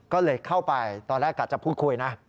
ก็เลยเข้าไปตอนแรกกะจะพูดคุยนะ